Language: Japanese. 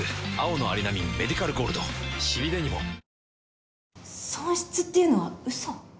あなたも損失っていうのは嘘？